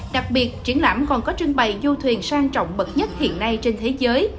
đặc biệt triển lãm còn có trưng bày du thuyền sang trọng bậc nhất hiện nay trên thế giới